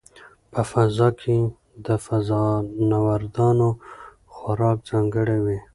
په فضا کې د فضانوردانو خوراک ځانګړی وي.